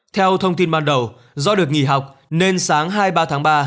theo thông tin ban đầu do được nghỉ học nên sáng hai mươi ba tháng ba